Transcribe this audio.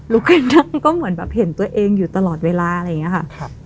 ขึ้นนั่งก็เหมือนแบบเห็นตัวเองอยู่ตลอดเวลาอะไรอย่างนี้ค่ะ